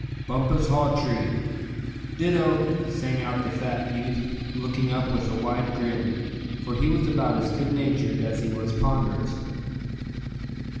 "Bumpus Hawtree." "Ditto," sang out the fat youth, looking up with a wide grin; for he was about as good natured as he was ponderous.